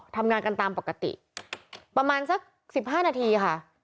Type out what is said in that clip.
ทำงานกันตามปกติประมาณสัก๑๕นาทีค่ะ